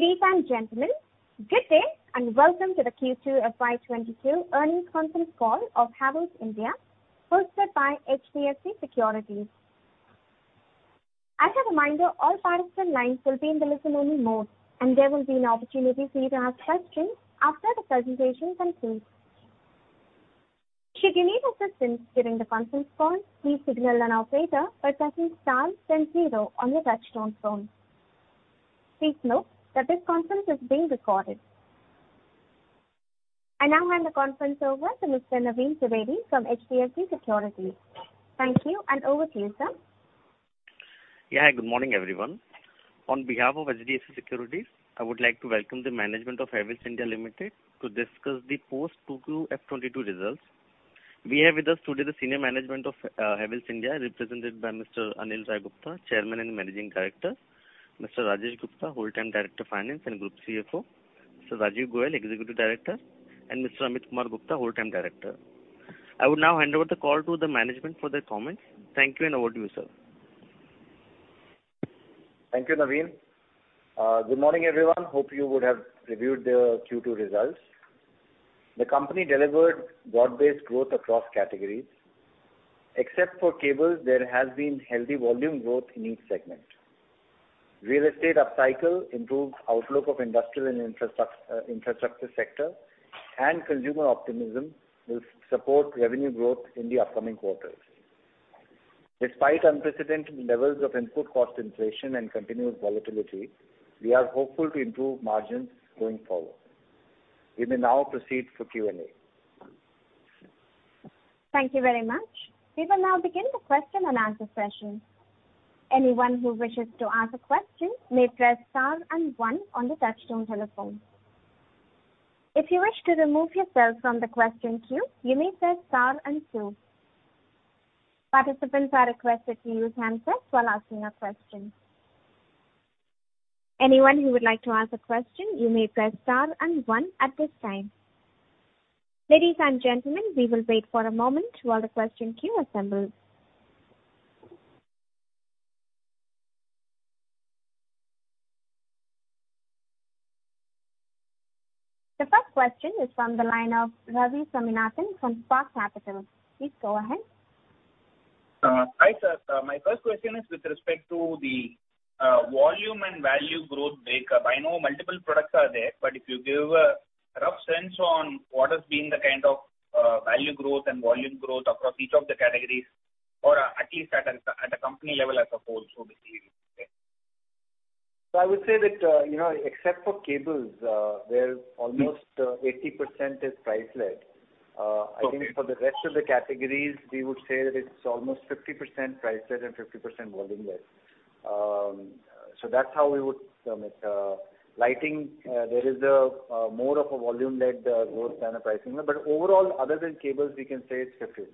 Ladies and gentlemen, good day, and welcome to the Q2 FY 2022 earnings conference call of Havells India, hosted by HDFC Securities. As a reminder, all participants lines will be in the listen only mode, and there will be an opportunity for you to ask questions after the presentation concludes. Should you need assistance during the conference call, please signal an operator by pressing star then zero on your touchtone phone. Please note that this conference is being recorded. I now hand the conference over to Mr. Naveen Trivedi from HDFC Securities. Thank you, and over to you, sir. Yeah. Good morning, everyone. On behalf of HDFC Securities, I would like to welcome the management of Havells India Limited to discuss the post 2Q FY 2022 results. We have with us today the senior management of Havells India, represented by Mr. Anil Rai Gupta, Chairman and Managing Director, Mr. Rajesh Gupta, Whole-time Director, Finance, and Group CFO, Mr. Rajiv Goel, Executive Director, and Mr. Ameet Kumar Gupta, Whole-time Director. I would now hand over the call to the management for their comments. Thank you, and over to you, sir. Thank you, Naveen. Good morning, everyone. Hope you would have reviewed the Q2 results. The company delivered broad-based growth across categories. Except for cables, there has been healthy volume growth in each segment. Real estate upcycle improved outlook of industrial and infrastructure sector, and consumer optimism will support revenue growth in the upcoming quarters. Despite unprecedented levels of input cost inflation and continued volatility, we are hopeful to improve margins going forward. We may now proceed for Q&A. Thank you very much. We will now begin the question and answer session. Any one who wishes to ask a question may press star and one on the touchtone telephone. If you wish to remove yourself from the question queue, you may press star and two. Participants are requested to use handsets while asking a question. Any one who wishes to ask a question may press star and one at this time. Ladies and gentlemen, we will wait for a moment while the question queue assembles. The first question is from the line of Ravi Swaminathan from Spark Capital. Please go ahead. Hi, sir. My first question is with respect to the volume and value growth breakup. I know multiple products are there. If you give a rough sense on what has been the kind of value growth and volume growth across each of the categories, or at least at a company level as a whole. I would say that, except for cables, where almost 80% is price led. Okay. I think for the rest of the categories, we would say that it's almost 50% price led and 50% volume led. That's how we would sum it. Lighting, there is more of a volume led growth than a pricing, but overall, other than cables, we can say it's 50/50.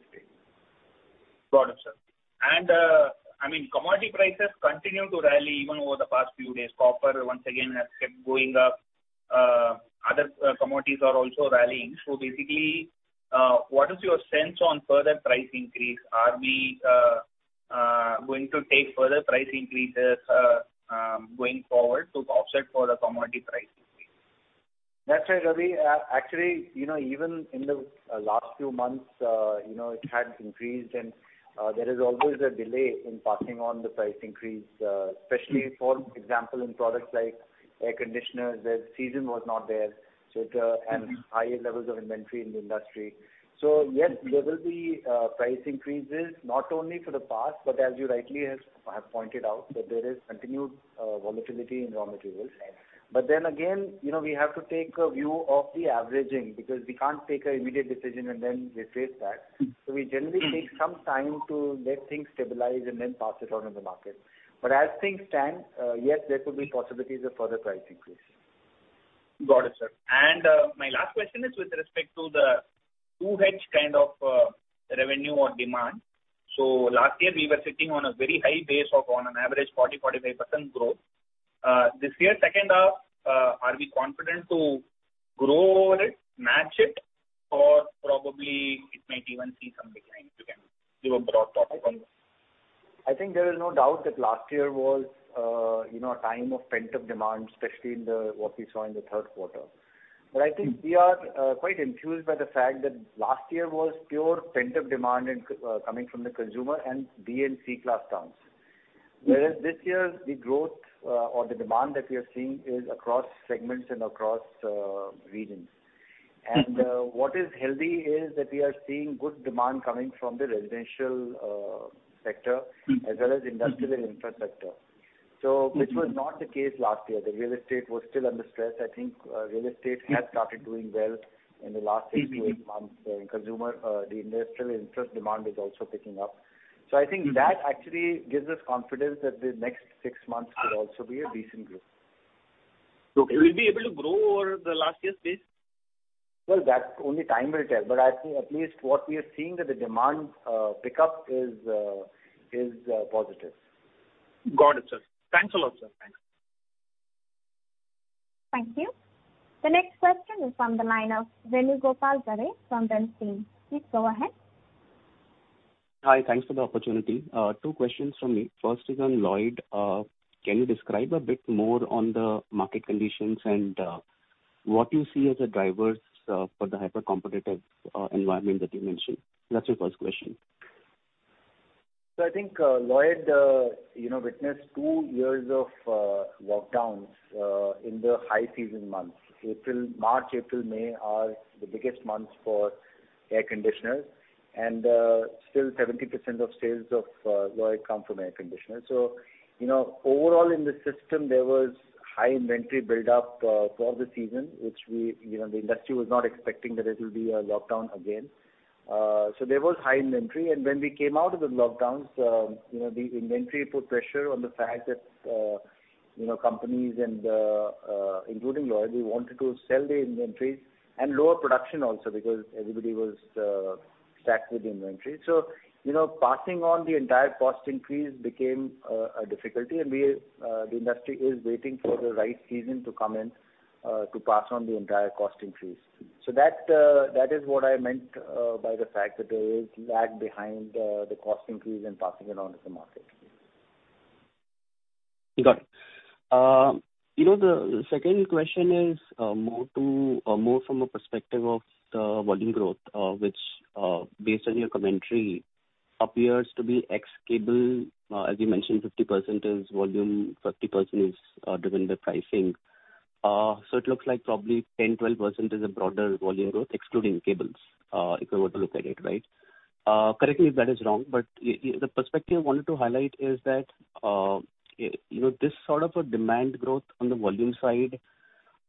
Got it, sir. Commodity prices continue to rally even over the past few days. Copper once again has kept going up. Other commodities are also rallying. What is your sense on further price increase? Are we going to take further price increases going forward to offset for the commodity price increase? That's right, Ravi. Actually, even in the last few months, it had increased and there is always a delay in passing on the price increase. Especially, for example, in products like air conditioners, the season was not there. It has higher levels of inventory in the industry. Yes, there will be price increases not only for the past but as you rightly have pointed out, that there is continued volatility in raw materials. Again, we have to take a view of the averaging because we can't take an immediate decision and then reface that. We generally take some time to let things stabilize and then pass it on in the market. As things stand, yes, there could be possibilities of further price increase. Got it, sir. My last question is with respect to the two hedge kind of revenue or demand. Last year we were sitting on a very high base of on an average 40%, 45% growth. This year, second half, are we confident to grow over it, match it, or probably it might even see some decline? If you can give a broad thought upon this. I think there is no doubt that last year was a time of pent-up demand, especially what we saw in the third quarter. I think we are quite enthused by the fact that last year was pure pent-up demand coming from the consumer and B and C class towns. This year, the growth or the demand that we are seeing is across segments and across regions. What is healthy is that we are seeing good demand coming from the residential sector as well as industrial and infra sector. Which was not the case last year. The real estate was still under stress. I think real estate has started doing well in the last six to eight months. The industrial interest demand is also picking up. I think that actually gives us confidence that the next six months could also be a decent growth. Okay. We'll be able to grow over the last year's base? Well, that only time will tell. I think at least what we are seeing that the demand pickup is positive. Got it, sir. Thanks a lot, sir. Thanks. Thank you. The next question is from the line of Venugopal Garre from Bernstein. Please go ahead. Hi. Thanks for the opportunity. Two questions from me. First is on Lloyd. Can you describe a bit more on the market conditions and what you see as the drivers for the hyper-competitive environment that you mentioned? That's the first question. I think Lloyd witnessed two years of lockdowns in the high season months. March, April, May are the biggest months for air conditioners. Still, 70% of sales of Lloyd come from air conditioners. Overall in the system, there was high inventory build-up for the season, which the industry was not expecting that it will be a lockdown again. There was high inventory, and when we came out of the lockdowns, the inventory put pressure on the fact that companies, including Lloyd, we wanted to sell the inventories and lower production also because everybody was stacked with inventory. Passing on the entire cost increase became a difficulty, and the industry is waiting for the right season to come in to pass on the entire cost increase. That is what I meant by the fact that there is lag behind the cost increase and passing it on to the market. Got it. The second question is more from a perspective of the volume growth, which based on your commentary, appears to be ex cable. As you mentioned, 50% is volume, 50% is driven by pricing. It looks like probably 10%-12% is a broader volume growth excluding cables, if you were to look at it, right? Correct me if that is wrong, but the perspective I wanted to highlight is that this sort of a demand growth on the volume side,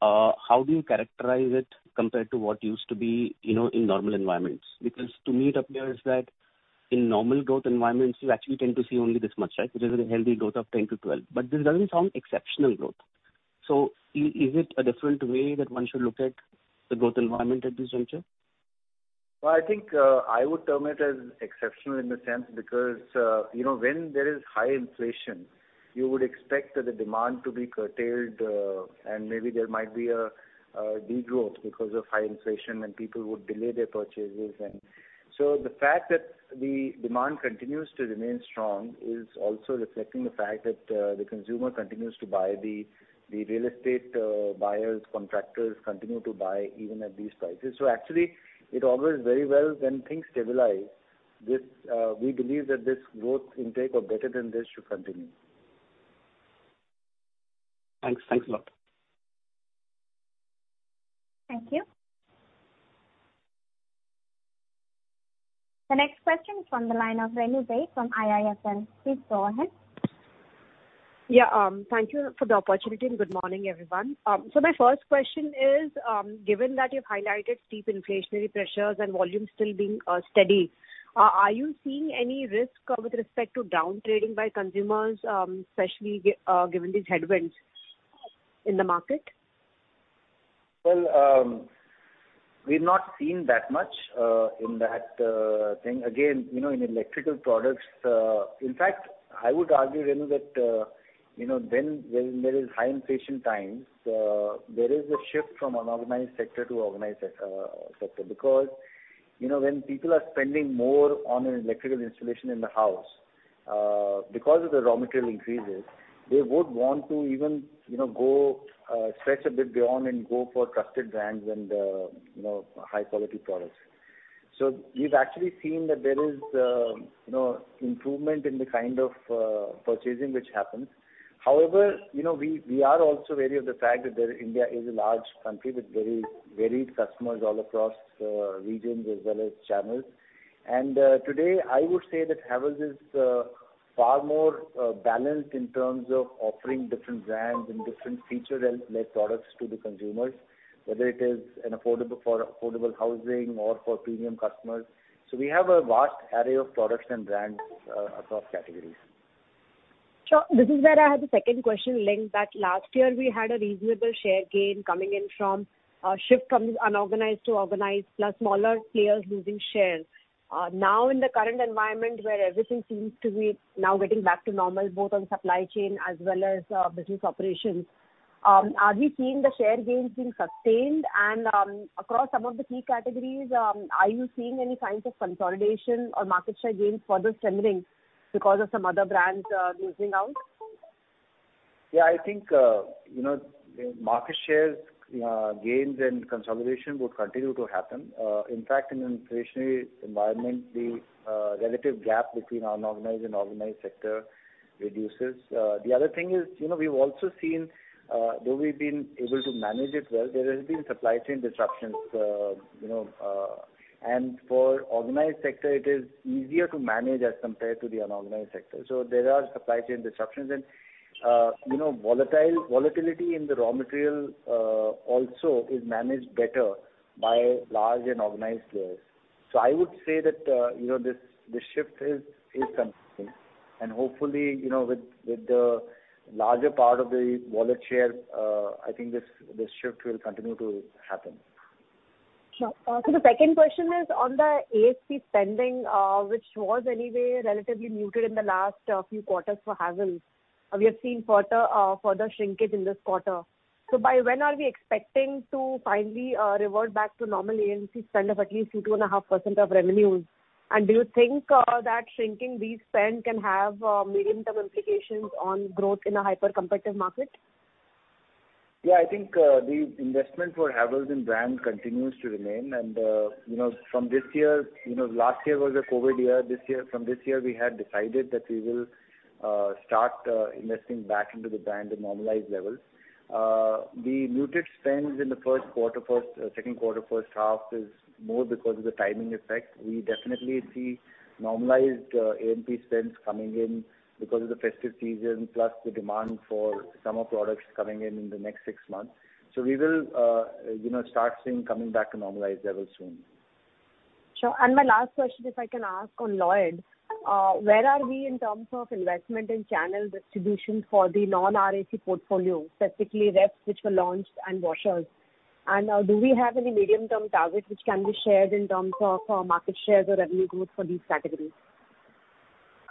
how do you characterize it compared to what used to be in normal environments? Because to me, it appears that in normal growth environments, you actually tend to see only this much, right? Which is a healthy growth of 10%-12%. This doesn't sound exceptional growth. Is it a different way that one should look at the growth environment at this juncture? Well, I think I would term it as exceptional in the sense because when there is high inflation, you would expect the demand to be curtailed, and maybe there might be a degrowth because of high inflation and people would delay their purchases. The fact that the demand continues to remain strong is also reflecting the fact that the consumer continues to buy, the real estate buyers, contractors continue to buy even at these prices. Actually, it augurs very well when things stabilize. We believe that this growth intake or better than this should continue. Thanks a lot. Thank you. The next question is from the line of Renu Baid from IIFL. Please go ahead. Yeah. Thank you for the opportunity, and good morning, everyone. My first question is, given that you've highlighted steep inflationary pressures and volumes still being steady, are you seeing any risk with respect to down trading by consumers, especially given these headwinds in the market? Well, we've not seen that much in that thing. In electrical products In fact, I would argue, Renu, that when there is high inflation times, there is a shift from unorganized sector to organized sector. When people are spending more on an electrical installation in the house, because of the raw material increases, they would want to even stretch a bit beyond and go for trusted brands and high quality products. We've actually seen that there is improvement in the kind of purchasing which happens. We are also wary of the fact that India is a large country with very varied customers all across regions as well as channels. Today, I would say that Havells is far more balanced in terms of offering different brands and different feature-led products to the consumers, whether it is for affordable housing or for premium customers. We have a vast array of products and brands across categories. Sure. This is where I had the second question linked, that last year we had a reasonable share gain coming in from shift from unorganized to organized, plus smaller players losing shares. Now in the current environment where everything seems to be now getting back to normal, both on supply chain as well as business operations, are we seeing the share gains being sustained? Across some of the key categories are you seeing any signs of consolidation or market share gains further strengthening because of some other brands losing out? Yeah, I think market share gains and consolidation would continue to happen. In fact, in an inflationary environment, the relative gap between unorganized and organized sector reduces. The other thing is, we've also seen, though we've been able to manage it well, there has been supply chain disruptions. For organized sector, it is easier to manage as compared to the unorganized sector. There are supply chain disruptions, and volatility in the raw material also is managed better by large and organized players. I would say that this shift is something, and hopefully, with the larger part of the wallet share, I think this shift will continue to happen. Sure. The second question is on the A&P spending, which was anyway relatively muted in the last few quarters for Havells. We have seen further shrinkage in this quarter. By when are we expecting to finally revert back to normal A&C spend of at least 2.5% of revenues? Do you think that shrinking these spend can have medium-term implications on growth in a hyper-competitive market? I think the investment for Havells in brand continues to remain. From this year, last year was a COVID year. From this year, we had decided that we will start investing back into the brand at normalized levels. The muted spends in the first quarter, second quarter, first half is more because of the timing effect. We definitely see normalized A&P spends coming in because of the festive season, plus the demand for summer products coming in in the next six months. We will start seeing coming back to normalized levels soon. Sure. My last question, if I can ask on Lloyd. Where are we in terms of investment in channel distribution for the non-RAC portfolio, specifically refs which were launched and washers? Do we have any medium-term targets which can be shared in terms of market shares or revenue growth for these categories?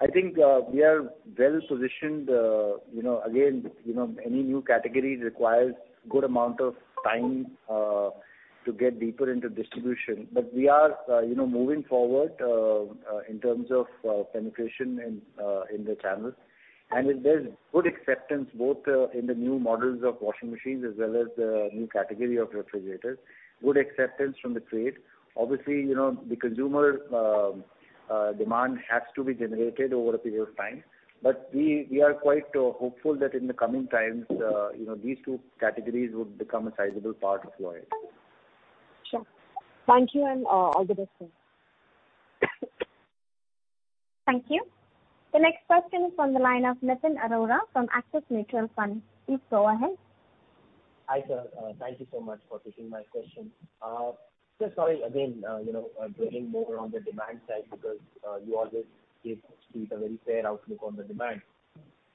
Any new category requires a good amount of time to get deeper into distribution. We are moving forward in terms of penetration in the channels. There's good acceptance both in the new models of washing machines as well as the new category of refrigerators. Good acceptance from the trade. Obviously, the consumer demand has to be generated over a period of time. We are quite hopeful that in the coming times these two categories would become a sizable part of Lloyd. Sure. Thank you, and all the best, sir. Thank you. The next question is on the line of Nitin Arora from Axis Mutual Fund. Please go ahead. Hi, sir. Thank you so much for taking my question. Just sorry again, drilling more on the demand side because you always give street a very fair outlook on the demand.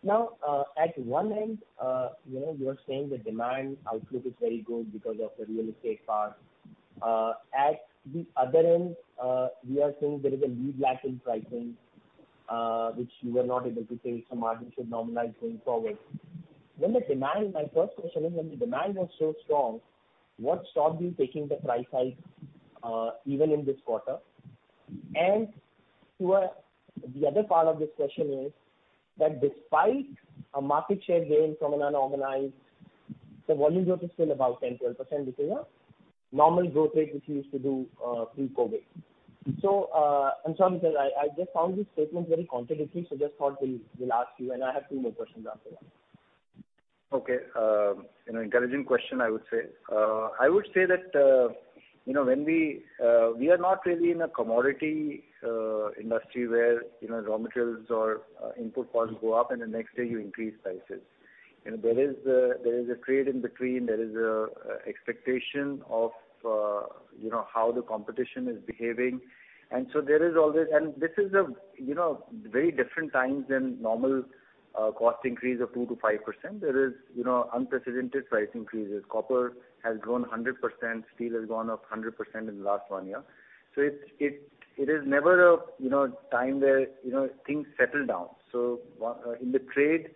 At one end, you are saying the demand outlook is very good because of the real estate part. At the other end, we are saying there is a lag in pricing, which you were not able to take, margin should normalize going forward. My first question is, when the demand was so strong, what stopped you taking the price hike even in this quarter? The other part of this question is that despite a market share gain from an unorganized, the volume growth is still about 10%-11%, which is a normal growth rate which you used to do pre-COVID. I'm sorry, sir, I just found these statements very contradictory, so just thought we'll ask you, and I have two more questions after that. Okay. Encouraging question, I would say. I would say that we are not really in a commodity industry where raw materials or input costs go up and the next day you increase prices. There is a trade in between, there is an expectation of how the competition is behaving. This is a very different time than normal cost increase of 2%-5%. There is unprecedented price increases. Copper has grown 100%, steel has gone up 100% in the last one year. It is never a time where things settle down. In the trade,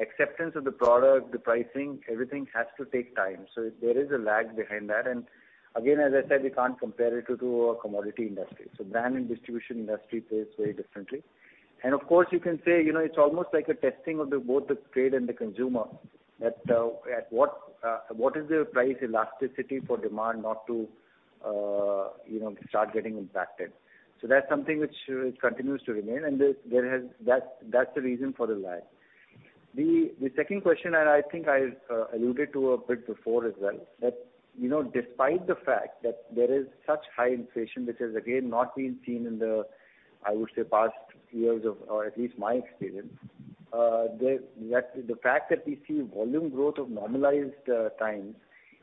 acceptance of the product, the pricing, everything has to take time. There is a lag behind that. Again, as I said, we can't compare it to a commodity industry. Brand and distribution industry plays very differently. Of course, you can say it's almost like a testing of the both the trade and the consumer at what is the price elasticity for demand not to start getting impacted. That's something which continues to remain, and that's the reason for the lag. The second question, and I think I alluded to a bit before as well, that despite the fact that there is such high inflation, which has again not been seen in the, I would say past few years of, or at least my experience, the fact that we see volume growth of normalized times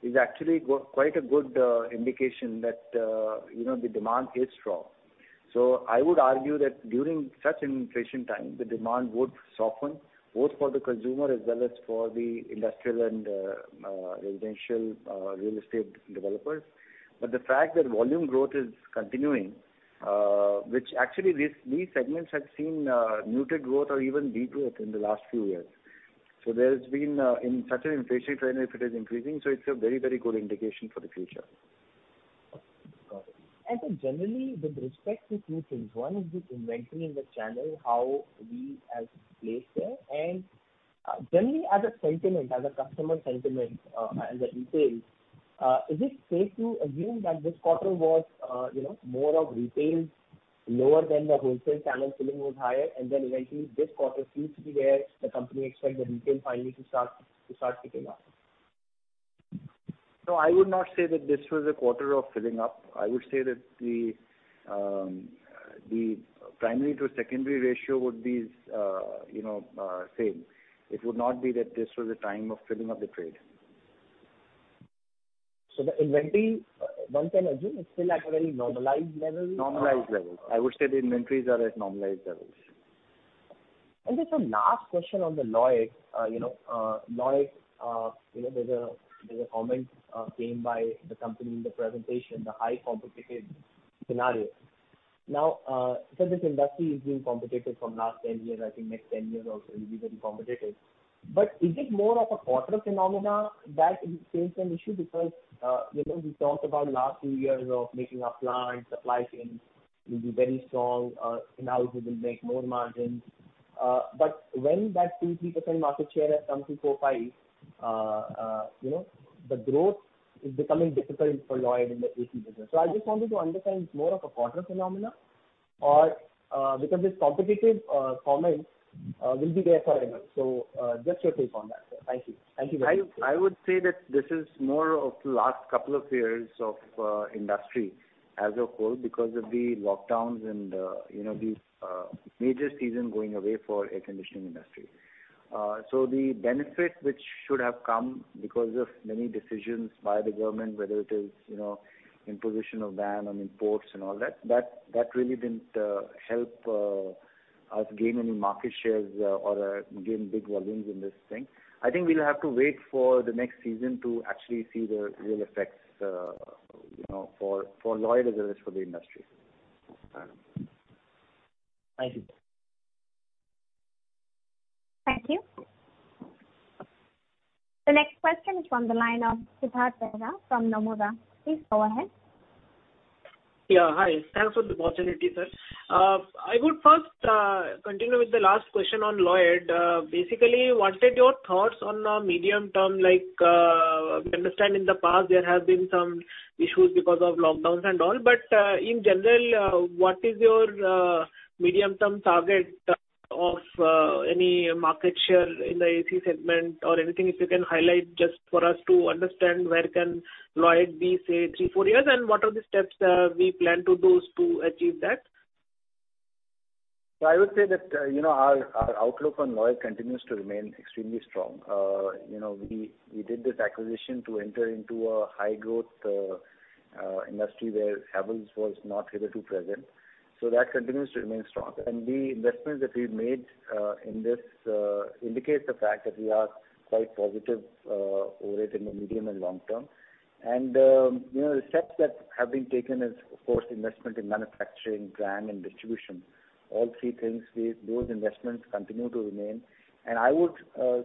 is actually quite a good indication that the demand is strong. I would argue that during such an inflation time, the demand would soften, both for the consumer as well as for the industrial and residential real estate developers. The fact that volume growth is continuing, which actually these segments had seen muted growth or even de-growth in the last few years. There's been in such an inflationary trend, if it is increasing, so it's a very good indication for the future. Got it. Sir, generally, with respect to two things, one is the inventory in the channel, how we as placed there, and generally as a sentiment, as a customer sentiment as a retail, is it safe to assume that this quarter was more of retail lower than the wholesale channel filling was higher, and then eventually this quarter seems to be where the company expects the retail finally to start picking up? No, I would not say that this was a quarter of filling up. I would say that the primary to secondary ratio would be same. It would not be that this was a time of filling up the trade. The inventory, one can assume it's still at a very normalized level? Normalized level. I would say the inventories are at normalized levels. Just a last question on the Lloyd. There's a comment made by the company in the presentation, the high competitive scenario. Now, sir, this industry is being competitive from last 10 years. I think next 10 years also it will be very competitive. Is it more of a quarter phenomena that stays an issue? We talked about last few years of making our plants, supply chains will be very strong, and now we will make more margins. When that 2%-3% market share has come to 4%-5%, the growth is becoming difficult for Lloyd in the AC business. I just wanted to understand, it's more of a quarter phenomena or because this competitive comment will be there forever. Just your take on that, sir. Thank you. I would say that this is more of last couple of years of industry as a whole because of the lockdowns and the major season going away for air conditioning industry. The benefit which should have come because of many decisions by the government, whether it is imposition of ban on imports and all that really didn't help us gain any market shares or gain big volumes in this thing. I think we'll have to wait for the next season to actually see the real effects for Lloyd as well as for the industry. Thank you. Thank you. The next question is from the line of Siddhartha Bera from Nomura. Please go ahead. Yeah, hi. Thanks for the opportunity, sir. I would first continue with the last question on Lloyd. What is your thoughts on medium term, like we understand in the past there have been some issues because of lockdowns and all. In general, what is your medium term target of any market share in the AC segment or anything, if you can highlight just for us to understand where can Lloyd be, say, three, four years, and what are the steps we plan to do to achieve that? I would say that our outlook on Lloyd continues to remain extremely strong. We did this acquisition to enter into a high growth industry where Havells was not hitherto present. That continues to remain strong. The investments that we've made in this indicates the fact that we are quite positive over it in the medium and long term. The steps that have been taken is, of course, investment in manufacturing, brand, and distribution. All three things, those investments continue to remain. I would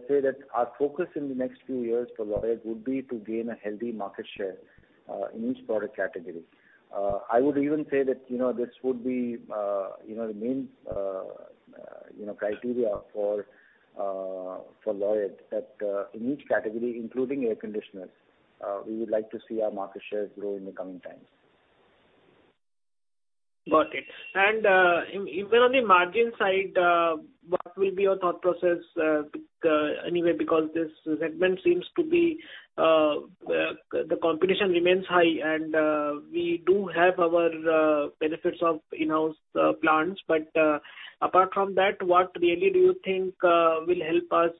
say that our focus in the next few years for Lloyd would be to gain a healthy market share in each product category. I would even say that this would be the main criteria for Lloyd, that in each category, including air conditioners, we would like to see our market shares grow in the coming times. Got it. Even on the margin side, what will be your thought process anyway, because this segment seems to be the competition remains high, and we do have our benefits of in-house plants? Apart from that, what really do you think will help us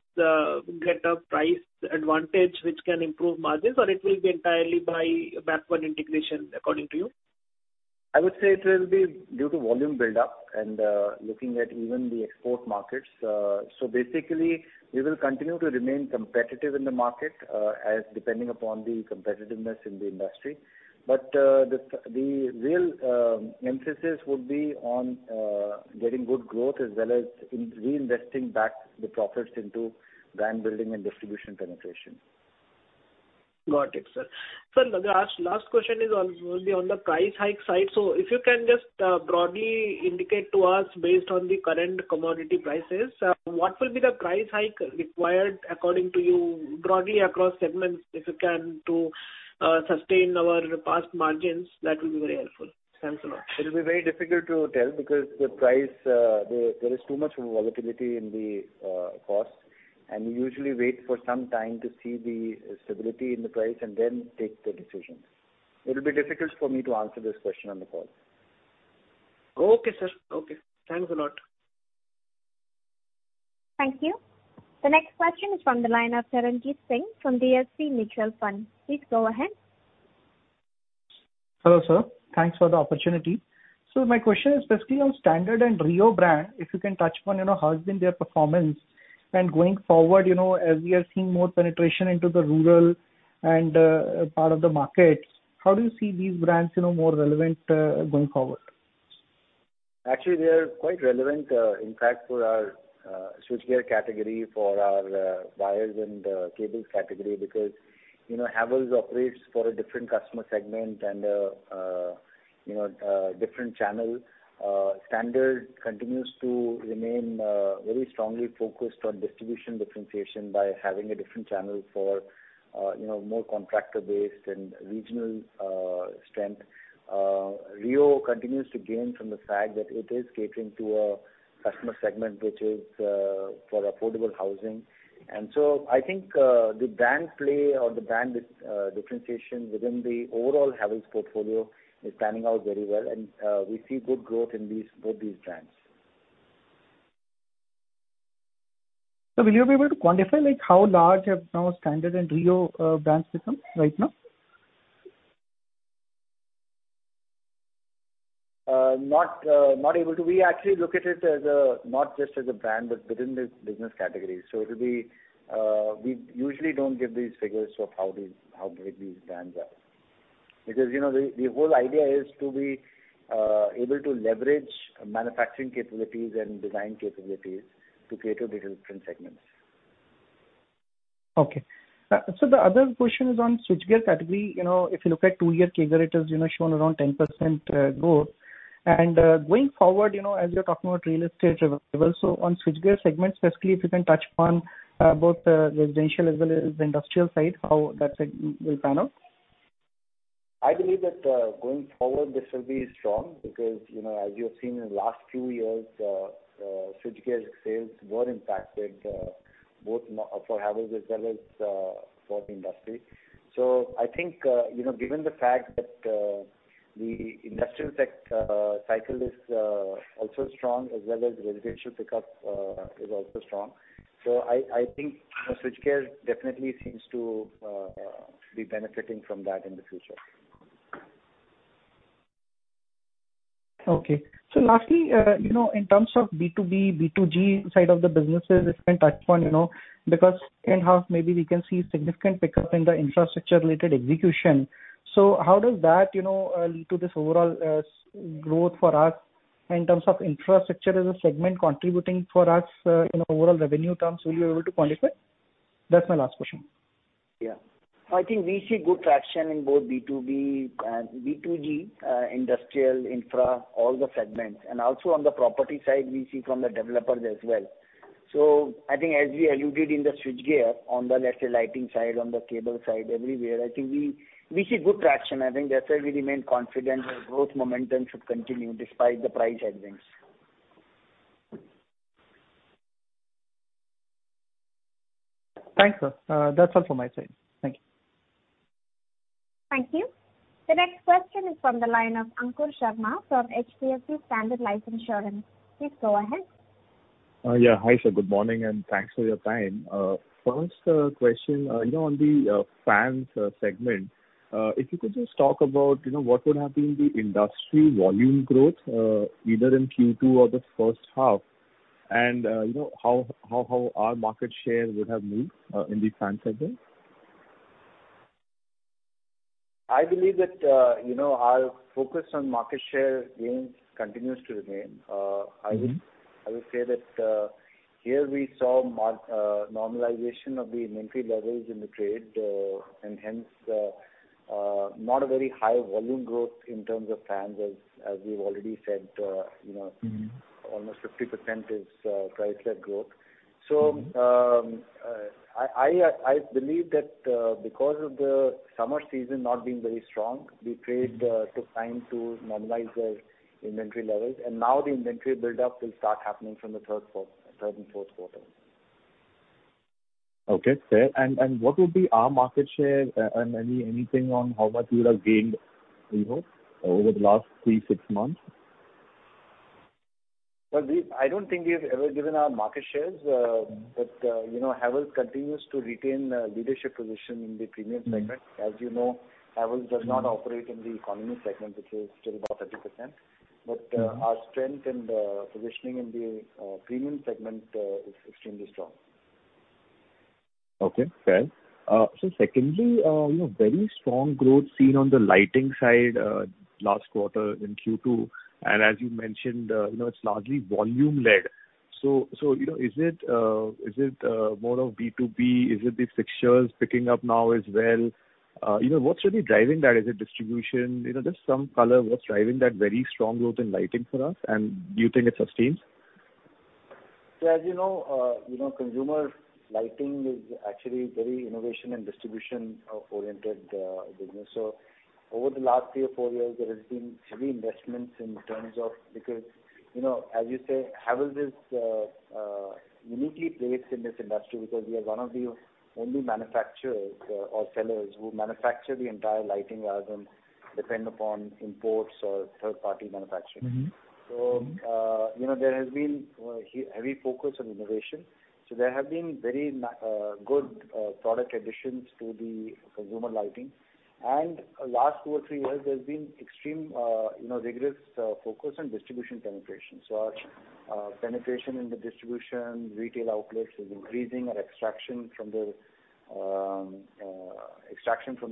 get a price advantage which can improve margins, or it will be entirely by backward integration according to you? I would say it will be due to volume build-up and looking at even the export markets. Basically, we will continue to remain competitive in the market as depending upon the competitiveness in the industry. The real emphasis would be on getting good growth as well as reinvesting back the profits into brand building and distribution penetration. Got it, sir. Sir, our last question will be on the price hike side. If you can just broadly indicate to us based on the current commodity prices, what will be the price hike required according to you broadly across segments, if you can, to sustain our past margins, that will be very helpful. Thanks a lot. It will be very difficult to tell because the price, there is too much of a volatility in the cost, and we usually wait for some time to see the stability in the price and then take the decision. It will be difficult for me to answer this question on the call. Okay, sir. Okay. Thanks a lot. Thank you. The next question is from the line of Charanjit Singh from DSP Mutual Fund. Please go ahead. Hello, sir. Thanks for the opportunity. My question is basically on Standard and REO brand. If you can touch upon how has been their performance. Going forward, as we are seeing more penetration into the rural and part of the markets, how do you see these brands more relevant going forward? Actually, they are quite relevant, in fact, for our switchgear category, for our wires and cables category because Havells operates for a different customer segment and a different channel. Standard continues to remain very strongly focused on distribution differentiation by having a different channel for more contractor-based and regional strength. REO continues to gain from the fact that it is catering to a customer segment which is for affordable housing. I think the brand play or the brand differentiation within the overall Havells portfolio is panning out very well, and we see good growth in both these brands. Sir, will you be able to quantify how large have now Standard and REO brands become right now? Not able to. We actually look at it as a not just as a brand, but within this business category. We usually don't give these figures of how big these brands are. Because the whole idea is to be able to leverage manufacturing capabilities and design capabilities to cater different segments. Okay. The other question is on switchgear category. If you look at two year CAGR, it has shown around 10% growth. Going forward, as you're talking about real estate revival, on switchgear segment specifically, if you can touch upon both the residential as well as the industrial side, how that segment will pan out. I believe that going forward, this will be strong because as you have seen in the last few years, switchgear sales were impacted both for Havells as well as for the industry. I think, given the fact that the industrial tech cycle is also strong, as well as residential pickup is also strong. I think switchgear definitely seems to be benefiting from that in the future. Okay. Lastly, in terms of B2B, B2G side of the businesses, if you can touch upon, because in half maybe we can see significant pickup in the infrastructure-related execution. How does that lead to this overall growth for us in terms of infrastructure as a segment contributing for us in overall revenue terms? Will you be able to quantify? That's my last question. Yeah. I think we see good traction in both B2B and B2G, industrial, infra, all the segments. Also on the property side, we see from the developers as well. I think as we alluded in the switchgear, on the let's say lighting side, on the cable side, everywhere, I think we see good traction. I think that's why we remain confident that growth momentum should continue despite the price headwinds. Thanks, sir. That's all from my side. Thank you. Thank you. The next question is from the line of Ankur Sharma from HDFC Standard Life Insurance. Please go ahead. Yeah. Hi, sir. Good morning, and thanks for your time. First question, on the fans segment, if you could just talk about what would have been the industry volume growth, either in Q2 or the first half, and how our market share would have moved in the fan segment? I believe that our focus on market share gains continues to remain. I would say that here we saw normalization of the inventory levels in the trade, and hence not a very high volume growth in terms of fans as we've already said, almost 50% is price-led growth. I believe that because of the summer season not being very strong, the trade took time to normalize their inventory levels, and now the inventory buildup will start happening from the third and fourth quarter. Okay, fair. What would be our market share and anything on how much we would have gained over the last three, six months? Well, I don't think we've ever given our market shares, but Havells continues to retain a leadership position in the premium segment. As you know, Havells does not operate in the economy segment, which is still about 30%. Our strength and positioning in the premium segment is extremely strong. Okay, fair. Secondly, very strong growth seen on the lighting side last quarter in Q2, and as you mentioned, it's largely volume led. Is it more of B2B? Is it the fixtures picking up now as well? What's really driving that? Is it distribution? Just some color, what's driving that very strong growth in lighting for us, and do you think it sustains? As you know, consumer lighting is actually very innovation and distribution-oriented business. Over the last three or four years, there has been heavy investments. As you say, Havells is uniquely placed in this industry because we are one of the only manufacturers or sellers who manufacture the entire lighting rather than depend upon imports or third-party manufacturing. There has been heavy focus on innovation. There have been very good product additions to the consumer lighting. Last two or three years, there's been extreme rigorous focus on distribution penetration. Our penetration in the distribution, retail outlets is increasing. Our extraction from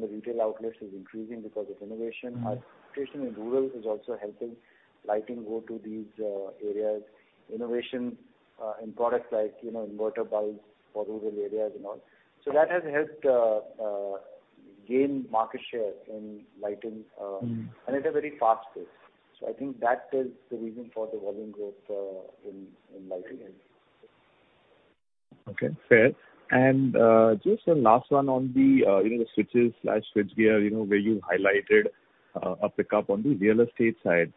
the retail outlets is increasing because of innovation. Our penetration in rural is also helping lighting go to these areas. Innovation in products like inverter bulbs for rural areas and all. That has helped gain market share in lighting.and at a very fast pace. I think that is the reason for the volume growth in lighting. Okay, fair. Just a last one on the switches/switchgear, where you highlighted a pickup on the real estate side.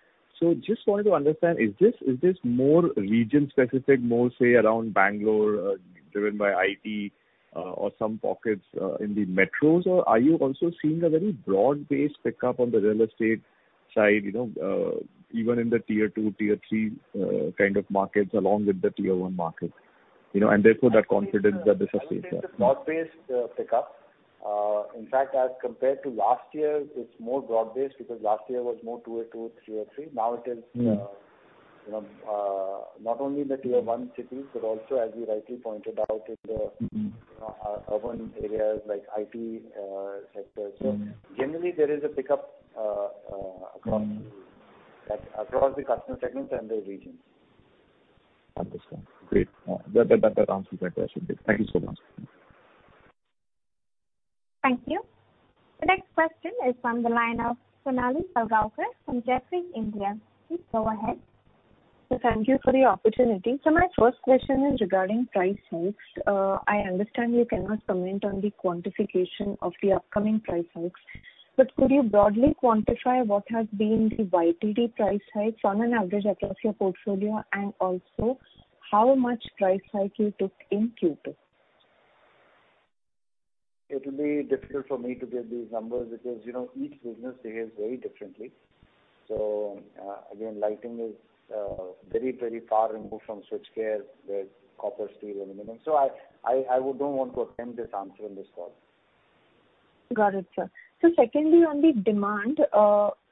Just wanted to understand, is this more region specific, more say around Bengaluru, driven by IT or some pockets in the metros? Are you also seeing a very broad-based pickup on the real estate side, even in the Tier 2, Tier 3 kind of markets along with the Tier 1 markets, and therefore that confidence that this has stayed up? I would say it's a broad-based pickup. In fact, as compared to last year, it's more broad based because last year was more Tier 2, Tier 3. Not only the Tier 1 cities, but also as you rightly pointed out. Urban areas like IT sectors. Generally, there is a pickup across the customer segments and the regions. Understood. Great. That answers that question. Thank you so much. Thank you. The next question is from the line of Sonali Salgaonkar from Jefferies India. Please go ahead. Thank you for the opportunity. My first question is regarding price hikes. I understand you cannot comment on the quantification of the upcoming price hikes. Could you broadly quantify what has been the YTD price hikes on an average across your portfolio, and also how much price hike you took in Q2? It will be difficult for me to give these numbers because each business behaves very differently. Again, lighting is very removed from switchgear. There's copper, steel, aluminum. I don't want to attempt this answer in this call. Got it, sir. Secondly, on the demand,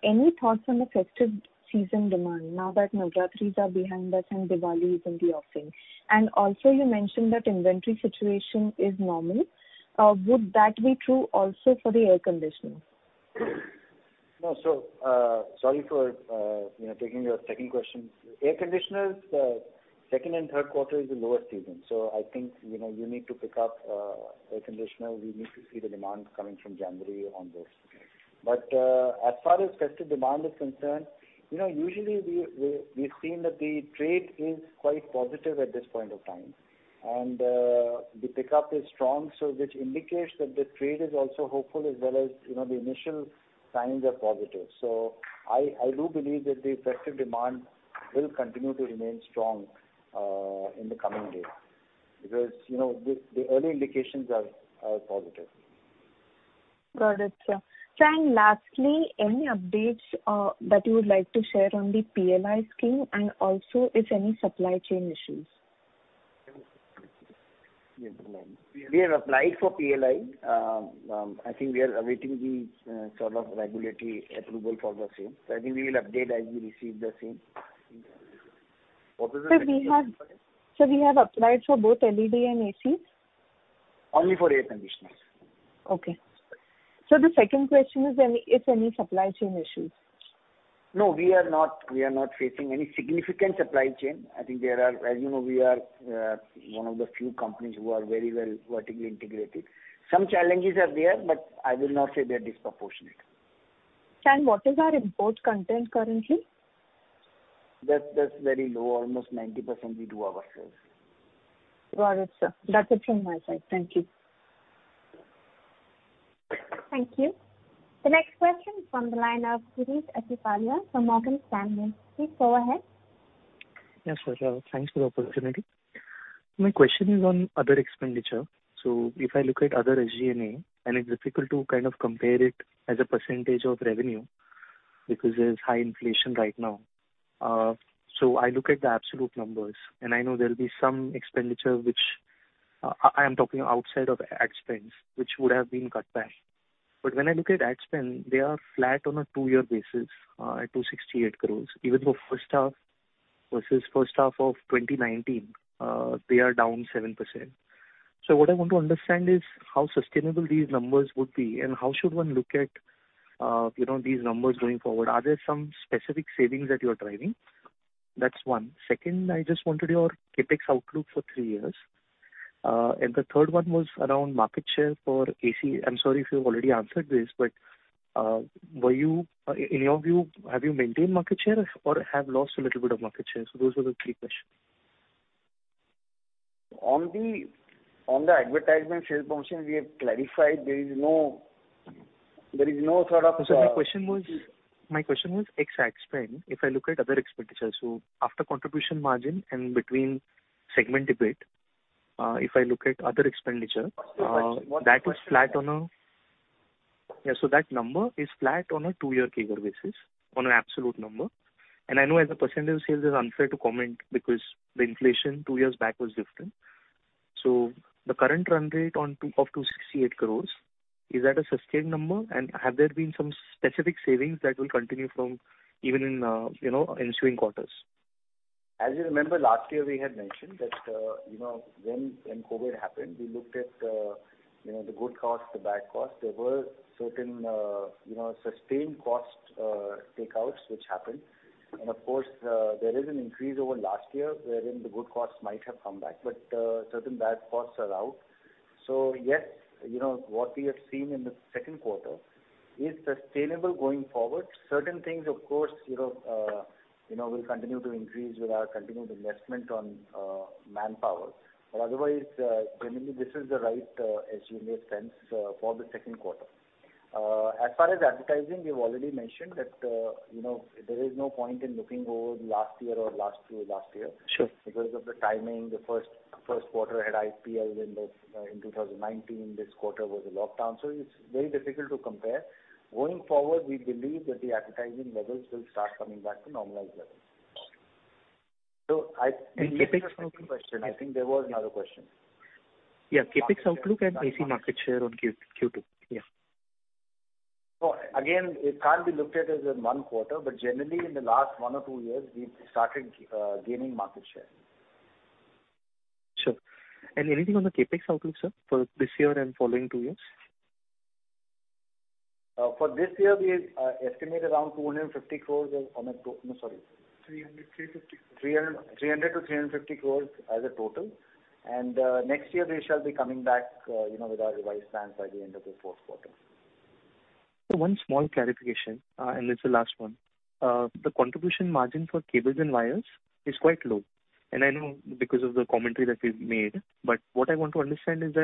any thoughts on the festive season demand now that Navratri are behind us and Diwali is in the offing? Also you mentioned that inventory situation is normal. Would that be true also for the air conditioning? Sorry for taking your second question. Air conditioners, second and third quarter is the lower season. I think, you need to pick up air conditioner. We need to see the demand coming from January onwards. As far as festive demand is concerned, usually we've seen that the trade is quite positive at this point of time, and the pickup is strong. Which indicates that the trade is also hopeful as well as the initial signs are positive. I do believe that the festive demand will continue to remain strong in the coming days because the early indications are positive. Got it, sir. Sir, lastly, any updates that you would like to share on the PLI scheme and also if any supply chain issues? We have applied for PLI. I think we are awaiting the sort of regulatory approval for the same. I think we will update as we receive the same. Sir, we have applied for both LED and ACs? Only for air conditioners. Okay. The second question is if any supply chain issues? We are not facing any significant supply chain. I think as you know, we are one of the few companies who are very well vertically integrated. Some challenges are there, I will not say they're disproportionate. What is our import content currently? That's very low. Almost 90% we do ourselves. Got it, sir. That's it from my side. Thank you. Thank you. The next question from the line of Girish Achhipalia from Morgan Stanley. Please go ahead. Yes, sir. Thanks for the opportunity. My question is on other expenditure. If I look at other SG&A, and it's difficult to kind of compare it as a percentage of revenue because there's high inflation right now. I look at the absolute numbers, and I know there'll be some expenditure which I am talking outside of ad spends, which would have been cut back. When I look at ad spend, they are flat on a two year basis at 268 crores, even though first half versus first half of 2019, they are down 7%. What I want to understand is how sustainable these numbers would be and how should one look at these numbers going forward. Are there some specific savings that you're driving? That's one. Second, I just wanted your CapEx outlook for three years. The third one was around market share for AC. I'm sorry if you've already answered this, have you maintained market share or have lost a little bit of market share? Those were the three questions. On the advertisement sales function, we have clarified there is no. My question was, ex ad spend, if I look at other expenditures, after contribution margin and between segment debate. What's the question? Yeah, that number is flat on a two-year CAGR basis on an absolute number. I know as a percentage of sales, it's unfair to comment because the inflation two years back was different. The current run rate of 268 crores, is that a sustained number? Have there been some specific savings that will continue from even in ensuing quarters? As you remember, last year we had mentioned that when COVID happened, we looked at the good cost, the bad cost. There were certain sustained cost takeouts which happened. Of course, there is an increase over last year wherein the good costs might have come back, but certain bad costs are out. Yes, what we have seen in the second quarter is sustainable going forward. Certain things, of course, will continue to increase with our continued investment on manpower. Otherwise, generally this is the right SG&A spends for the second quarter. As far as advertising, we've already mentioned that there is no point in looking over last year or last to last year. Sure. Because of the timing, the first quarter had IPL in 2019. This quarter was a lockdown. It's very difficult to compare. Going forward, we believe that the advertising levels will start coming back to normalized levels. I think there was another question. Yeah, CapEx outlook and AC market share on Q2. Yeah. No. It can't be looked at as in 1 quarter. Generally, in the last one or two years, we've started gaining market share. Sure. Anything on the CapEx outlook, sir, for this year and following two years? For this year, we estimate around 250 crores. No, sorry. 300, INR350. 300 crore-350 crore as a total. Next year we shall be coming back with our revised plans by the end of the fourth quarter. Sir, one small clarification. It's the last one. The contribution margin for cables and wires is quite low. I know because of the commentary that we've made. What I want to understand is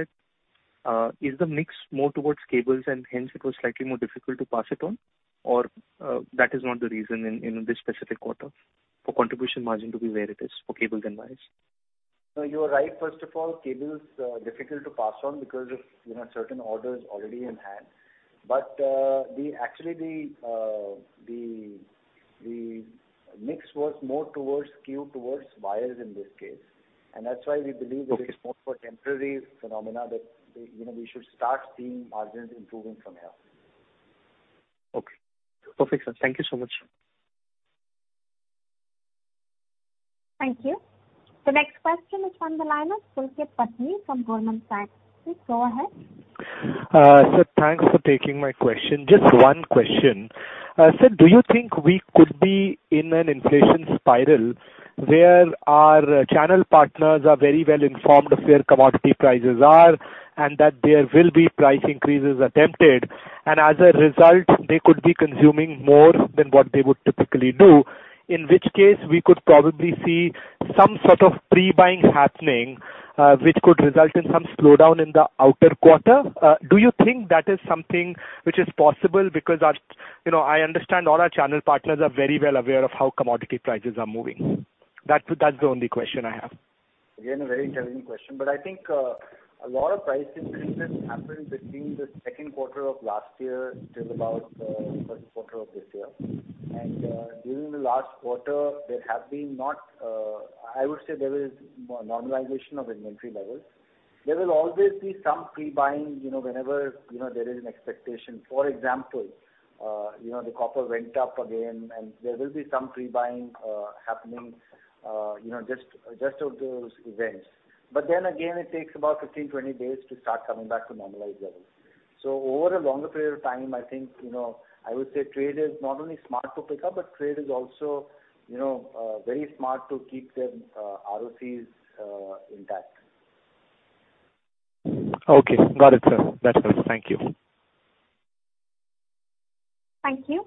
the mix more towards cables, hence it was slightly more difficult to pass it on, or that is not the reason in this specific quarter for contribution margin to be where it is for cables and wires? No, you are right. First of all, cables are difficult to pass on because of certain orders already in hand. Actually, the mix was more towards skewed towards wires in this case. That's why we believe. Okay. That it's more for temporary phenomena that we should start seeing margins improving from here. Okay. Perfect, sir. Thank you so much. Thank you. The next question is from the line of Pulkit Patni from Goldman Sachs. Please go ahead. Sir, thanks for taking my question. Just one question. Sir, do you think we could be in an inflation spiral where our channel partners are very well-informed of where commodity prices are, and that there will be price increases attempted, and as a result, they could be consuming more than what they would typically do, in which case, we could probably see some sort of pre-buying happening, which could result in some slowdown in the outer quarter? Do you think that is something which is possible? I understand all our channel partners are very well aware of how commodity prices are moving. That's the only question I have. A very challenging question, I think a lot of price increases happened between the second quarter of last year till about the first quarter of this year. During the last quarter, there have been not I would say there is normalization of inventory levels. There will always be some pre-buying whenever there is an expectation. For example, the copper went up again, there will be some pre-buying happening, just of those events. It takes about 15, 20 days to start coming back to normalized levels. Over a longer period of time, I think, I would say trade is not only smart to pick up, trade is also very smart to keep their ROCEs intact. Okay. Got it, sir. That helps. Thank you. Thank you.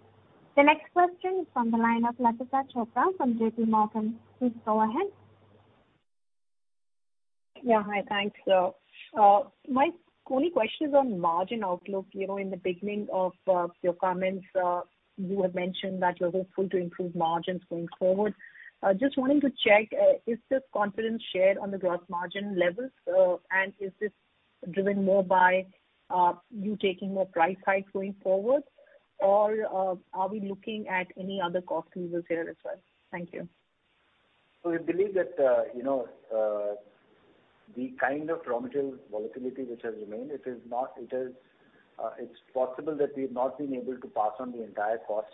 The next question is from the line of Latika Chopra from JPMorgan. Please go ahead. Yeah, hi. Thanks. My only question is on margin outlook. In the beginning of your comments, you had mentioned that you're hopeful to improve margins going forward. Just wanting to check, is this confidence shared on the gross margin levels? Is this driven more by you taking more price hikes going forward, or are we looking at any other cost levers here as well? Thank you. We believe that the kind of raw material volatility which has remained, it's possible that we've not been able to pass on the entire cost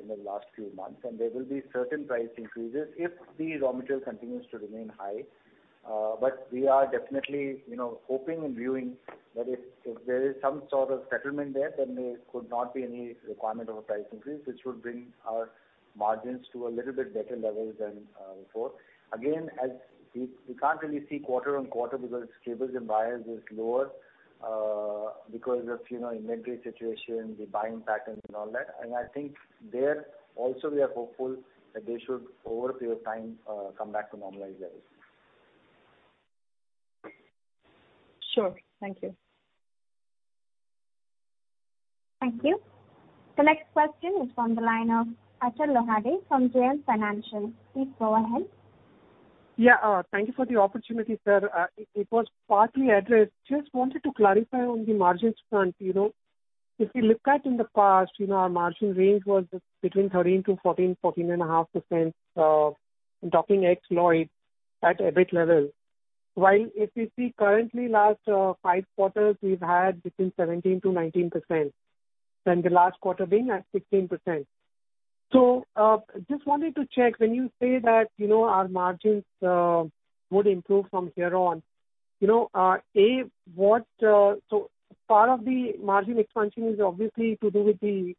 in the last few months, and there will be certain price increases if the raw material continues to remain high. We are definitely hoping and viewing that if there is some sort of settlement there, then there could not be any requirement of a price increase, which would bring our margins to a little bit better levels than before. As we can't really see quarter-on-quarter because cables and wires is lower because of inventory situation, the buying patterns and all that. I think there also, we are hopeful that they should, over a period of time, come back to normalized levels. Sure. Thank you. Thank you. The next question is from the line of Achal Lohade from JM Financial. Please go ahead. Yeah. Thank you for the opportunity, sir. It was partly addressed. Just wanted to clarify on the margins front. If we look at in the past, our margin range was between 13%-14%, 14.5%, talking ex Lloyd at EBIT level. While if we see currently last five quarters, we've had between 17%-19%, then the last quarter being at 16%. Just wanted to check. When you say that our margins would improve from here on, so part of the margin expansion is obviously to do with the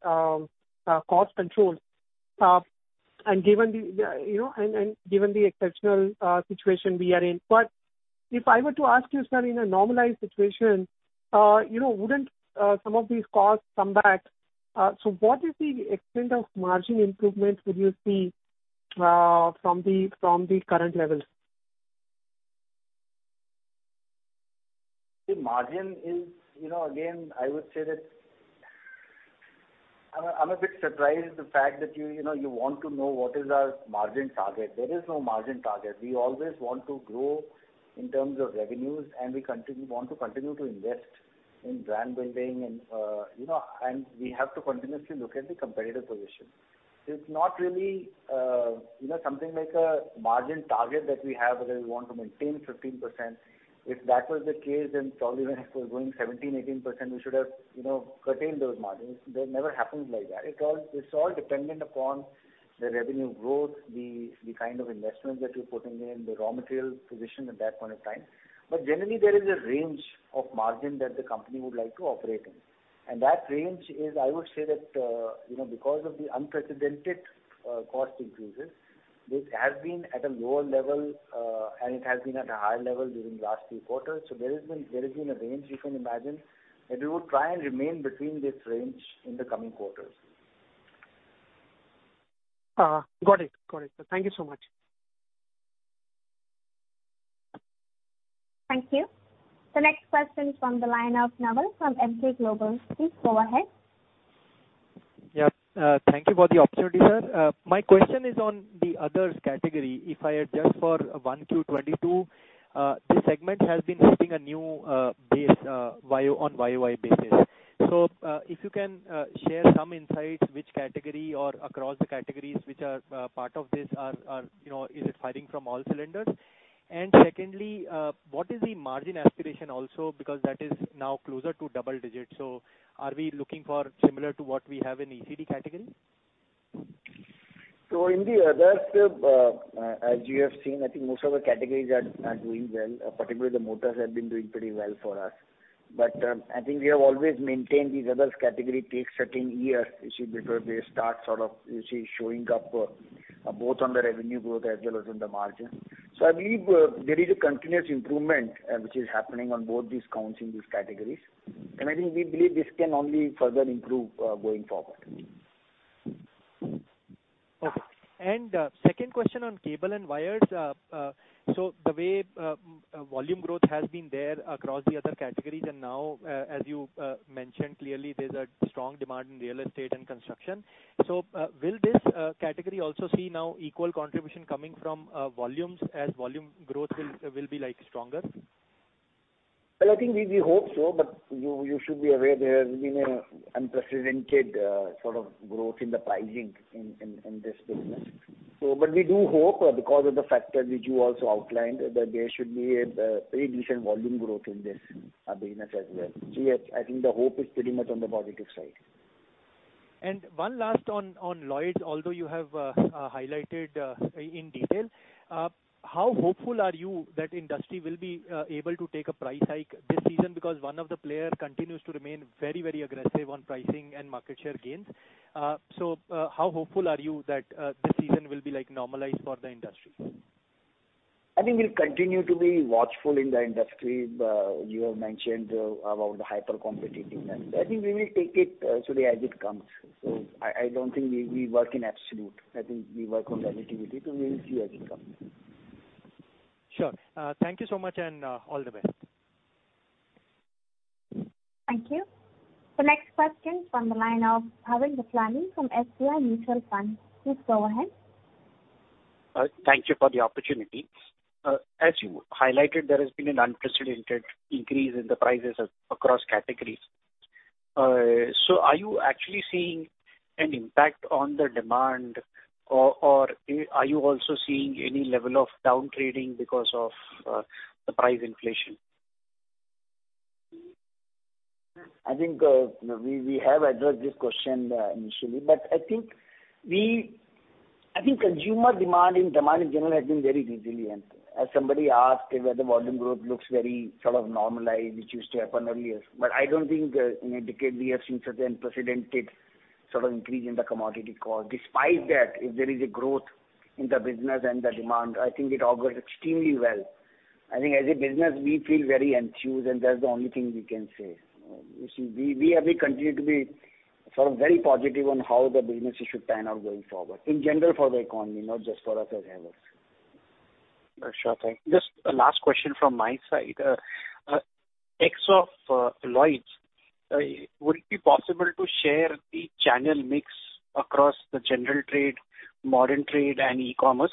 cost control, and given the exceptional situation we are in. If I were to ask you, sir, in a normalized situation, wouldn't some of these costs come back? What is the extent of margin improvements would you see from the current levels? The margin is, again, I would say that I'm a bit surprised the fact that you want to know what is our margin target. There is no margin target. We always want to grow in terms of revenues, and we want to continue to invest in brand building, and we have to continuously look at the competitive position. It's not really something like a margin target that we have, whether we want to maintain 15%. If that was the case, then probably when it was going 17%, 18%, we should have retained those margins. That never happens like that. It's all dependent upon the revenue growth, the kind of investment that you're putting in, the raw material position at that point of time. Generally, there is a range of margin that the company would like to operate in. That range is, I would say that, because of the unprecedented cost increases, this has been at a lower level, and it has been at a higher level during the last three quarters. There has been a range you can imagine, that we would try and remain between this range in the coming quarters. Got it. Thank you so much. Thank you. The next question from the line of Naval from Emkay Global. Please go ahead. Yep. Thank you for the opportunity, sir. My question is on the others category. If I adjust for 1Q 2022, this segment has been hitting a new base on YoY basis. If you can share some insights, which category or across the categories which are part of this, is it firing from all cylinders? Secondly, what is the margin aspiration also because that is now closer to double digits. Are we looking for similar to what we have in ECD category? In the others, as you have seen, I think most of the categories are doing well. Particularly the motors have been doing pretty well for us. I think we have always maintained these others category takes certain years before they start showing up, both on the revenue growth as well as on the margin. I believe there is a continuous improvement which is happening on both these counts in these categories. I think we believe this can only further improve going forward. Okay. Second question on cable and wires. The way volume growth has been there across the other categories, and now, as you mentioned, clearly there's a strong demand in real estate and construction. Will this category also see now equal contribution coming from volumes as volume growth will be stronger? I think we hope so, but you should be aware there has been an unprecedented sort of growth in the pricing in this business. We do hope because of the factors which you also outlined, that there should be a pretty decent volume growth in this business as well. Yes, I think the hope is pretty much on the positive side. One last on Lloyd, although you have highlighted in detail. How hopeful are you that industry will be able to take a price hike this season? Because one of the player continues to remain very aggressive on pricing and market share gains. How hopeful are you that this season will be normalized for the industry? I think we'll continue to be watchful in the industry. You have mentioned about the hyper-competitiveness. I think we will take it today as it comes. I don't think we work in absolute. I think we work on relativity, so we'll see as it comes. Sure. Thank you so much, and all the best. Thank you. The next question from the line of Bhavin Vithlani from SBI Mutual Fund. Please go ahead. Thank you for the opportunity. As you highlighted, there has been an unprecedented increase in the prices across categories. Are you actually seeing an impact on the demand, or are you also seeing any level of down trading because of the price inflation? I think we have addressed this question initially, but I think consumer demand in general has been very resilient. As somebody asked whether volume growth looks very normalized, which used to happen earlier. I don't think in a decade we have seen such unprecedented increase in the commodity cost. Despite that, if there is a growth in the business and the demand, I think it augurs extremely well. I think as a business, we feel very enthused, and that's the only thing we can say. We continue to be very positive on how the businesses should pan out going forward, in general for the economy, not just for us as Havells. Sure thing. Just a last question from my side. Ex of Lloyd, would it be possible to share the channel mix across the general trade, modern trade, and e-commerce?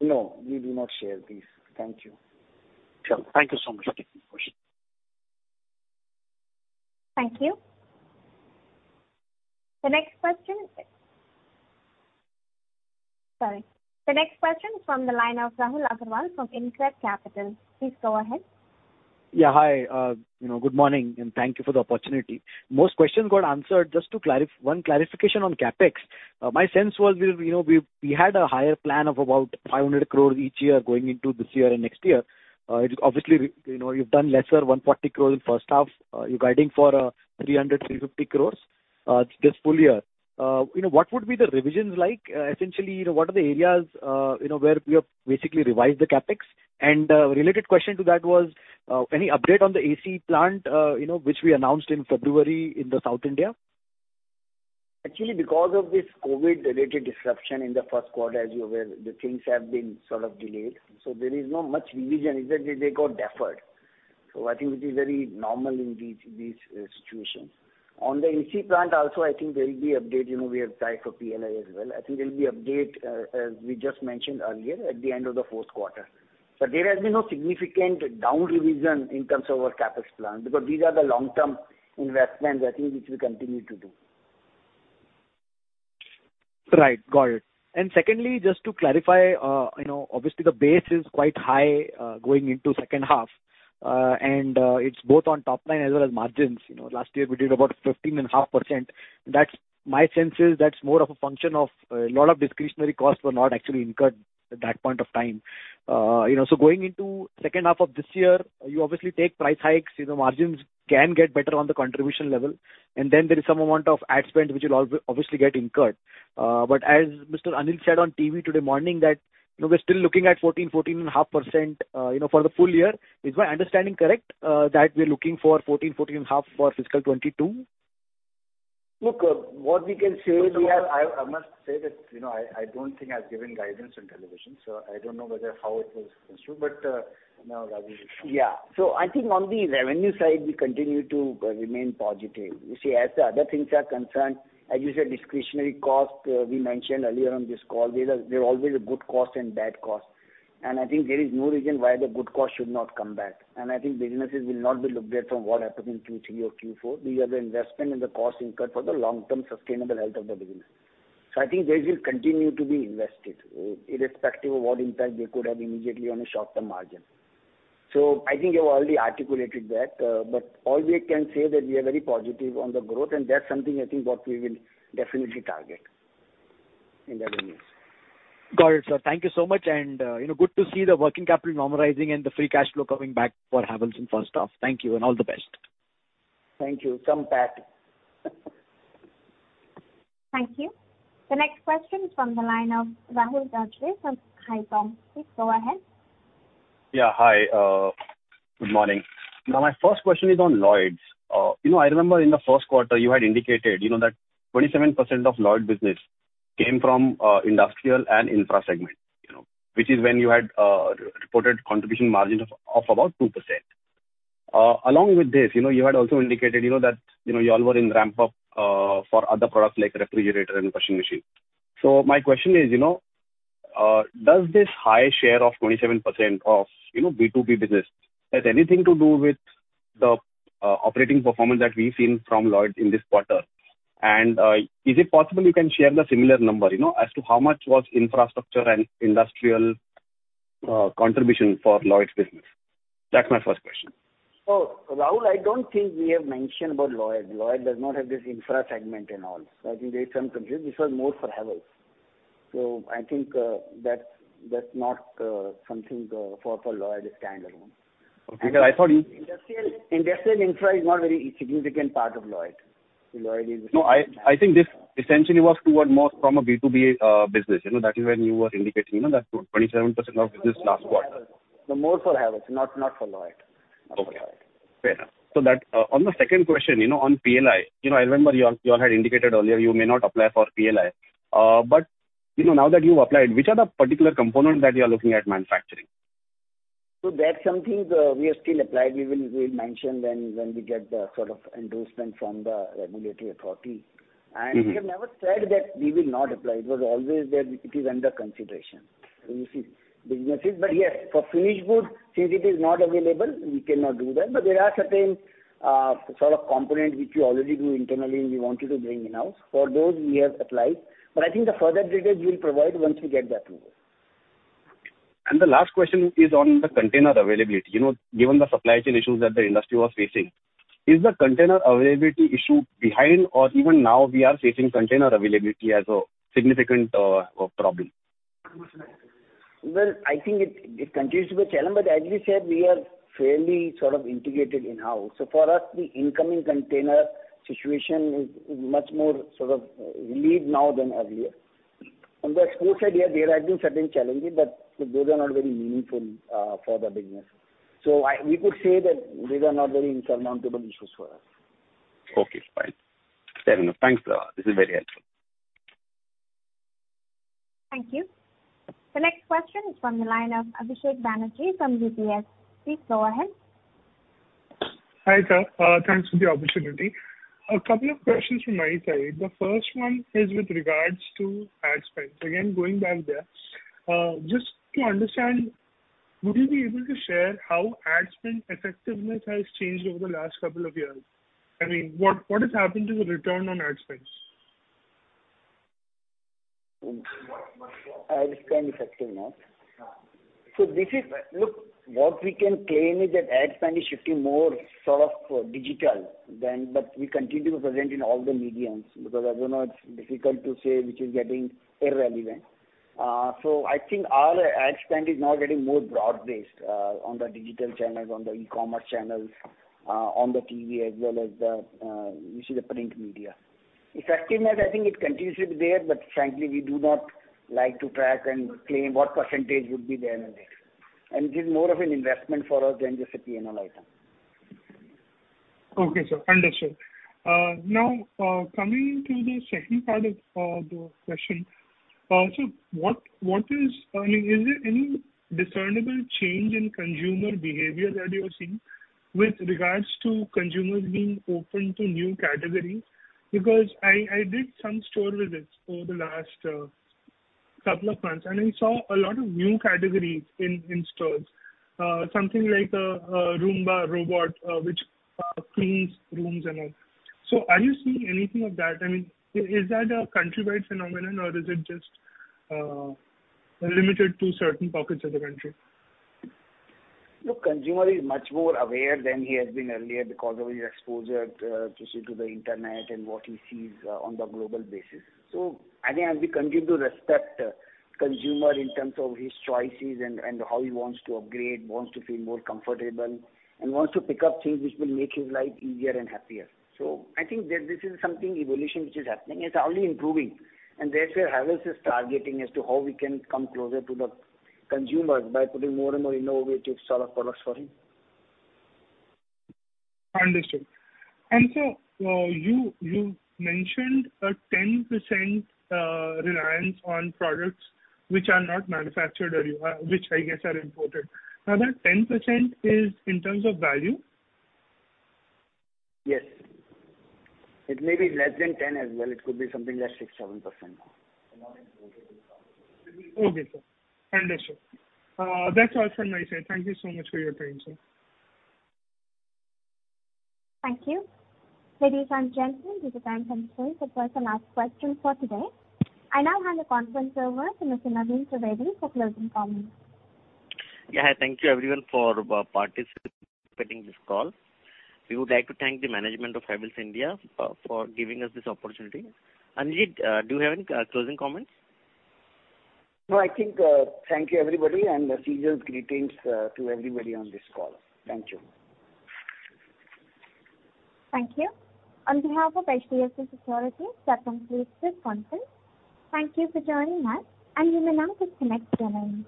No, we do not share these. Thank you. Sure. Thank you so much. Thank you. The next question is from the line of Rahul Agarwal from InCred Capital. Please go ahead. Yeah. Hi. Good morning, and thank you for the opportunity. Most questions got answered. Just 1 clarification on CapEx. My sense was we had a higher plan of about 500 crore each year going into this year and next year. Obviously, you've done lesser 140 crore in first half. You're guiding for 300 crore-350 crore this full year. What would be the revisions like? Essentially, what are the areas where we have basically revised the CapEx? Related question to that was, any update on the AC plant which we announced in February in the South India? Actually, because of this COVID-related disruption in the first quarter, as you're aware, the things have been sort of delayed. There is no much revision. Exactly, they got deferred. I think it is very normal in these situations. On the AC plant also, I think there will be update. We have tied for PLI as well. I think there'll be update, as we just mentioned earlier, at the end of the fourth quarter. There has been no significant down revision in terms of our CapEx plan because these are the long-term investments, I think, which we continue to do. Right. Got it. Secondly, just to clarify, obviously the base is quite high going into second half, and it's both on top line as well as margins. Last year we did about 15.5%. My sense is that's more of a function of a lot of discretionary costs were not actually incurred at that point of time. Going into second half of this year, you obviously take price hikes, margins can get better on the contribution level, and then there is some amount of ad spend which will obviously get incurred. As Mr. Anil said on TV today morning, that we're still looking at 14.5% for the full year. Is my understanding correct that we're looking for 14.5 for fiscal 2022? Look, what we can say. First of all, I must say that, I don't think I've given guidance on television. I don't know whether how it was construed, but now Rajiv will comment. Yeah. I think on the revenue side, we continue to remain positive. You see, as the other things are concerned, as you said, discretionary cost, we mentioned earlier on this call, there are always good costs and bad costs. I think there is no reason why the good cost should not come back. I think businesses will not be looked at from what happens in Q3 or Q4. These are the investment and the cost incurred for the long-term sustainable health of the business. I think there's will continue to be invested irrespective of what impact they could have immediately on a short-term margin. I think you have already articulated that, but all we can say that we are very positive on the growth, and that's something I think what we will definitely target in revenues. Got it, sir. Thank you so much. Good to see the working capital normalizing and the free cash flow coming back for Havells in first half. Thank you and all the best. Thank you. Come back. Thank you. The next question is from the line of Rahul Gajare from Haitong. Please go ahead. Yeah. Hi. Good morning. My first question is on Lloyd. I remember in the first quarter you had indicated that 27% of Lloyd business came from industrial and infra segment which is when you had reported contribution margins of about 2%. Along with this, you had also indicated that you all were in ramp up for other products like refrigerator and washing machine. My question is, does this high share of 27% of B2B business have anything to do with the operating performance that we've seen from Lloyd in this quarter? Is it possible you can share the similar number as to how much was infrastructure and industrial contribution for Lloyd business? That's my first question. Rahul, I don't think we have mentioned about Lloyd. Lloyd does not have this infra segment and all. I think there is some confusion. This was more for Havells. I think that's not something for Lloyd standalone. Okay. Because I thought. Industrial infra is not very significant part of Lloyd. No, I think this essentially was toward more from a B2B business. That is when you were indicating that 27% of business last quarter. No, more for Havells, not for Lloyd. Okay. Fair enough. On the second question, on PLI, I remember you all had indicated earlier you may not apply for PLI. Now that you've applied, which are the particular components that you're looking at manufacturing? That's something we have still applied. We will mention when we get the sort of endorsement from the regulatory authority. We have never said that we will not apply. It was always that it is under consideration. You see, businesses, but yes, for finished goods, since it is not available, we cannot do that. There are certain sort of components which we already do internally and we wanted to bring in-house. For those, we have applied, but I think the further details we'll provide once we get that approval. The last question is on the container availability. Given the supply chain issues that the industry was facing, is the container availability issue behind or even now we are facing container availability as a significant problem? I think it continues to be a challenge, but as we said, we are fairly sort of integrated in-house. For us, the incoming container situation is much more sort of relieved now than earlier. On the export side, yeah, there have been certain challenges, but those are not very meaningful for the business. We could say that these are not very insurmountable issues for us. Okay, fine. Fair enough. Thanks, Rajiv. This is very helpful. Thank you. The next question is from the line of Abhisek Banerjee from UBS. Please go ahead. Hi, sir. Thanks for the opportunity. A couple of questions from my side. The first one is with regards to ad spend. Again, going back there. Just to understand, would you be able to share how ad spend effectiveness has changed over the last couple of years? I mean, what has happened to the return on ad spends? Ad spend effectiveness. look, what we can claim is that ad spend is shifting more sort of digital, but we continue to present in all the mediums because I don't know, it's difficult to say which is getting irrelevant. I think our ad spend is now getting more broad-based on the digital channels, on the e-commerce channels, on the TV, as well as the print media. Effectiveness, I think it continues to be there, but frankly, we do not like to track and claim what percentage would be there and this. It is more of an investment for us than just a P&L item. Okay, sir. Understood. Coming to the second part of the question, sir, is there any discernible change in consumer behavior that you are seeing? With regards to consumers being open to new categories, because I did some store visits over the last couple of months, and I saw a lot of new categories in stores. Something like a Roomba robot, which cleans rooms and all. Are you seeing anything of that? Is that a countrywide phenomenon, or is it just limited to certain pockets of the country? Look, consumer is much more aware than he has been earlier because of his exposure to the internet and what he sees on the global basis. I think as we continue to respect consumer in terms of his choices and how he wants to upgrade, wants to feel more comfortable, and wants to pick up things which will make his life easier and happier. I think that this is something, evolution which is happening. It's only improving, and that's where Havells is targeting as to how we can come closer to the consumer by putting more and more innovative sort of products for him. Understood. Sir, you mentioned a 10% reliance on products which are not manufactured, or which I guess are imported. That 10% is in terms of value? Yes. It may be less than 10% as well. It could be something like 6%, 7%. Okay, sir. Understood. That's all from my side. Thank you so much for your time, sir. Thank you. Ladies and gentlemen, due to time constraints, that was the last question for today. I now hand the conference over to Mr. Naveen Trivedi for closing comments. Yeah, hi. Thank you everyone for participating in this call. We would like to thank the management of Havells India for giving us this opportunity. Anil, do you have any closing comments? I think, thank you everybody. Seasonal greetings to everybody on this call. Thank you. Thank you. On behalf of HDFC Securities, that concludes this conference. Thank you for joining us, and you may now disconnect your lines.